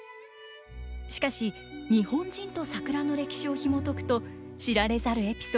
しかし日本人と桜の歴史をひもとくと知られざるエピソードが満載。